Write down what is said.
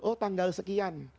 oh tanggal sekian